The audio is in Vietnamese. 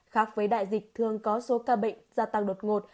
khác với đại dịch thường có số ca bệnh gia tăng đột ngột